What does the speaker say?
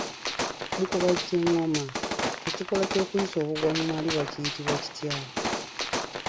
Mu kubajja engoma, ekikolwa ky'okuyisa obugwa mu maliba kiyitibwa kitya?